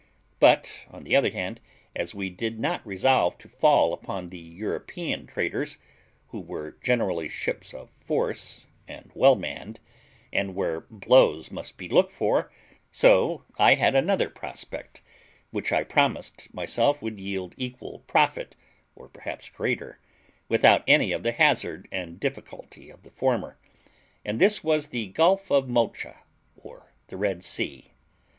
But, on the other hand, as we did not resolve to fall upon the European traders, who were generally ships of force and well manned, and where blows must be looked for; so I had another prospect, which I promised myself would yield equal profit, or perhaps greater, without any of the hazard and difficulty of the former; and this was the Gulf of Mocha, or the Red Sea.